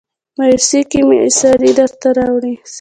مایوسۍ کې مې اسرې درته راوړي